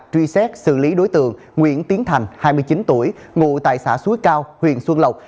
truy xét xử lý đối tượng nguyễn tiến thành hai mươi chín tuổi ngụ tại xã suối cao huyện xuân lộc